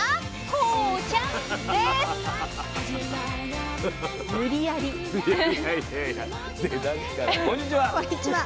こんにちは。